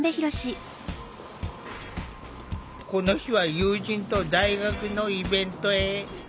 この日は友人と大学のイベントへ。